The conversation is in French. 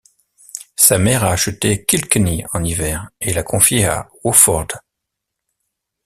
Sa mère a acheté Kilkenny en hiver, et l'a confié à Wofford.